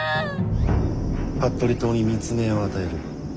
服部党に密命を与える。